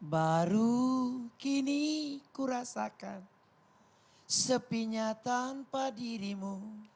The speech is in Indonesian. baru kini kurasakan sepinya tanpa dirimu